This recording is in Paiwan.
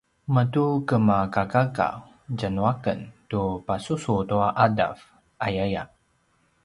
matugemagagaga tjanuaken tu pasusu tua ’adav ayaya